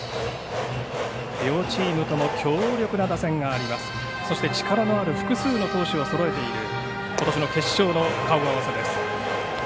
両チームとも強力な打線があります、そして力のある複数の投手をそろえていることしの決勝の顔合わせです。